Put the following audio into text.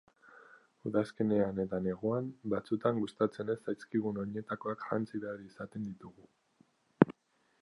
Udazkenean eta neguan, batzutan gustatzen ez zaizkigun oinetakoak jantzi behar izaten ditugu.